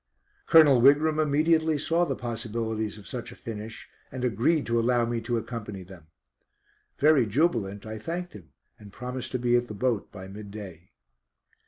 Colonel Wigram immediately saw the possibilities of such a finish, and agreed to allow me to accompany them. Very jubilant, I thanked him and promised to be at the boat by midday.